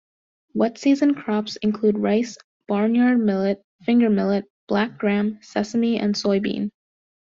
Wet season crops include rice, barnyard millet, finger millet, black gram, sesame and soybean.